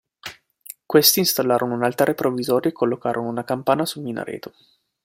Questi installarono un altare provvisorio e collocarono una campana sul minareto.